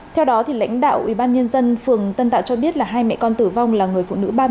theo đó lãnh đạo ubnd phường tân tạo cho biết là hai mẹ con tử vong là người phụ nữ ba mươi